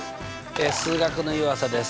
数学の湯浅です。